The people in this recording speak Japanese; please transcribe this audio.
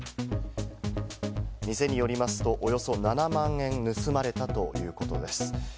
店によりますと、およそ７万円盗まれたということです。